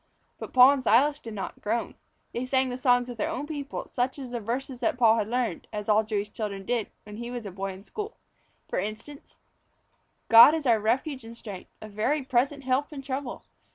But Paul and Silas did not groan. They sang the songs of their own people, such as the verses that Paul had learned as all Jewish children did when he was a boy at school. For instance God is our refuge and strength, A very present help in trouble.